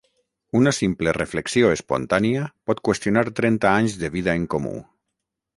Una simple reflexió espontània pot qüestionar trenta anys de vida en comú.